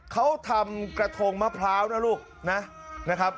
เขาทำกระทงมะพร้าวนะลูกนะครับ